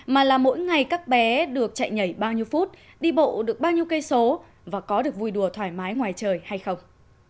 mà là mỗi ngày các bé được chạy nhảy bao nhiêu phút đi bộ được bao nhiêu cây số và có được vui đùa thoải mái ngoài trời hay không